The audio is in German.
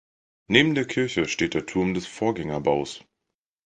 Neben der Kirche steht der Turm des Vorgängerbaus.